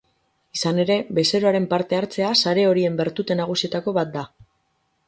Izan ere, bezeroaren parte hartzea sare horien bertute nagusietako bat da.